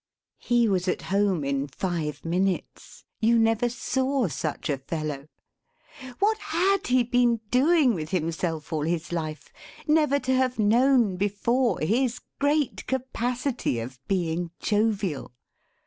He was at home in five minutes. You never saw such a fellow. What had he been doing with himself all his life, never to have known, before, his great capacity of being jovial!